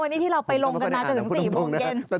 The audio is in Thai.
วันนี้ที่เราไปลงกันมาจนถึง๔โมงเย็น